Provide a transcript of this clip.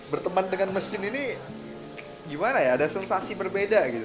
berteman dengan mesin ini gimana ya ada sensasi berbeda gitu